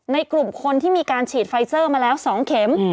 กลุ่มคนที่มีการฉีดไฟเซอร์มาแล้ว๒เข็ม